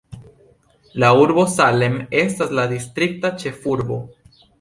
La urbo Salem estas la distrikta ĉefurbo.